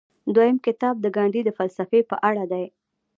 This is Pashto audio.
دویم کتاب د ګاندي د فلسفې په اړه دی.